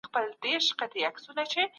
ځینو دوستانو پوښتنه وکړه چې ولې